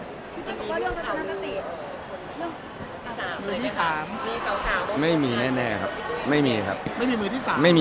พี่เจ้าบอกว่าเรื่องความสนับสนุนเรื่องมือที่สาม